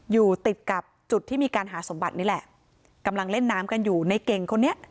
อยู่ติดกับจุดที่มีการหาสมบัตินี่แหละกำลังเล่นน้ำกันอยู่ในเก่งคนนี้